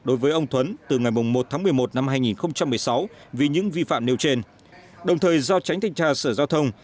đối với ông thuấn từ ngày một tháng một mươi một năm hai nghìn một mươi sáu vì những vi phạm nêu trên đồng thời do tránh thanh tra sở giao thông